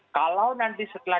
kalau nanti setelah